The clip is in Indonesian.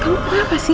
kamu kenapa sih